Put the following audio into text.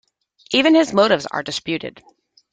Even his motives are disputed.